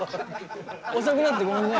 遅くなってごめんね。